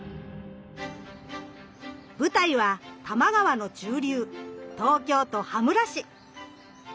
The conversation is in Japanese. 舞台は多摩川の中流東京都羽村市。